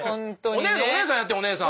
お姉さんお姉さんやってお姉さん。